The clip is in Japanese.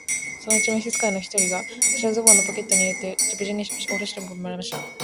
そのうちに召使の一人が、私をズボンのポケットに入れて、無事に下までおろしてくれました。